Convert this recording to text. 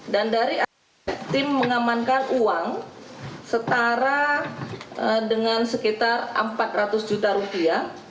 dan dari saat itu tim mengamankan uang setara dengan sekitar rp empat ratus juta